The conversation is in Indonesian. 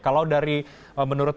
kalau dari menurut